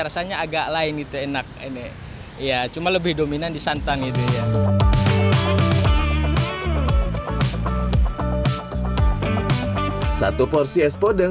rasanya agak lain itu enak ini ya cuma lebih dominan di santan itu ya satu porsi es podeng